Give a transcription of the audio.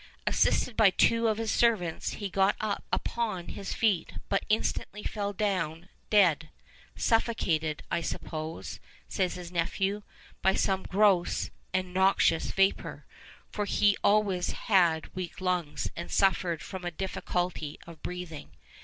Assisted by two of his servants, he got upon his feet, but instantly fell down dead; suffocated, I suppose,' says his nephew, 'by some gross and noxious vapour, for he always had weak lungs and suffered from a difficulty of breathing.